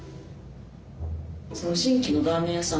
新規のラーメン屋さん。